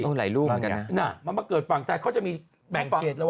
มันมาเกิดฝั่งไทยเขาจะมีแบงเคสระหว่าง